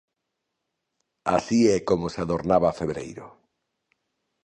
Así é como se adornaba febreiro.